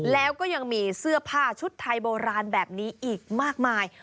แล้วก็ยังมีเสื้อผ้าชุดไทยโบราณแบบนี้อีกมากมาย